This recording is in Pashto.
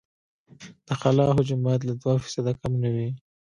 د خلا حجم باید له دوه فیصده کم نه وي